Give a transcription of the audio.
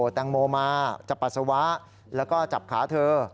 แตงโมมาจับปัสสาวะแล้วก็จับขาเธอ